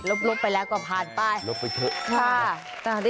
ลบไปแล้วกว่าผ่านไปลบไปเถอะ